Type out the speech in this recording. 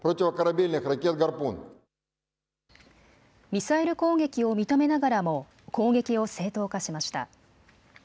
ミサイル攻撃を認めながらも攻撃を正当化しました。